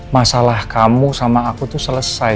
masalah kamu sama aku terse sip